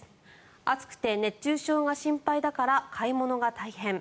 暑くて熱中症が心配だから買い物が大変。